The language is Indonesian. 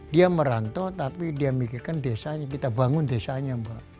dia merantau tapi dia mikirkan desanya kita bangun desanya mbak